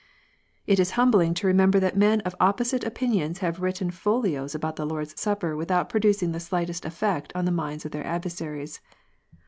It is humbling to remember that men of opposite opinions have written folios about the Lord s Supper without producing the slightest effect on the minds of their adversaries.